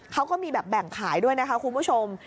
เขาก็มีแบบแบ่งขายด้วยนะคะคุณผู้ชม